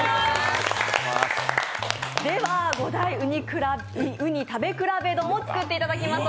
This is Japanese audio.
では５大うに食べ比べ丼を作っていただきます。